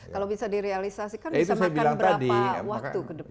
kalau bisa direalisasikan bisa makan berapa waktu ke depan